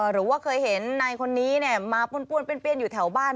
หรือว่าเคยเห็นนายคนนี้มาป้วนเปี้ยนอยู่แถวบ้าน